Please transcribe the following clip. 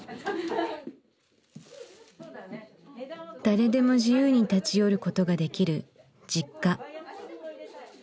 誰でも自由に立ち寄ることができるＪｉｋｋａ。